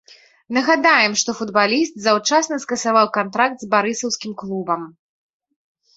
Нагадаем, што футбаліст заўчасна скасаваў кантракт з барысаўскім клубам.